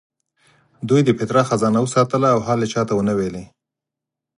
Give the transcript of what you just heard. دوی د پیترا خزانه وساتله او حال یې چا ته ونه ویلو.